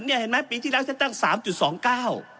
เห็นไหมปีที่แล้วฉันตั้งสามจุดสองเก้า